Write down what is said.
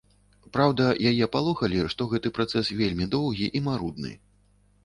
Праўда, яе папалохалі, што гэты працэс вельмі доўгі і марудны.